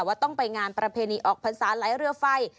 ว่าต้องไปงานประเพณีออกพรรษาไหลเรือไฟ